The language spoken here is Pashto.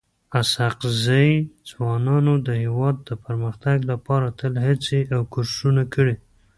اسحق زي ځوانانو د هيواد د پرمختګ لپاره تل هڅي او کوښښونه کړي.